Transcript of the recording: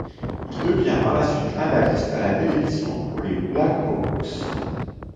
Il devient par la suite analyste à la télévision pour les Blackhawks.